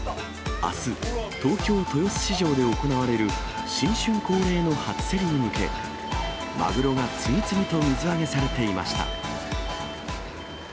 あす、東京、豊洲市場で行われる新春恒例の初競りに向け、マグロが次々と水揚げされていました。